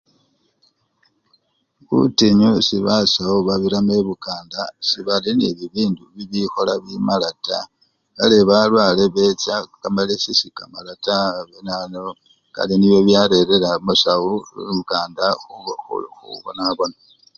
Butinyu esi basawu babiramo ebukanda, sebali nende ebindu bikhola bimala taa, kale balwale becha kamalesi sekamala taa binanau kale nibyo byarerera basawu ebukanda khubu! khubonabona.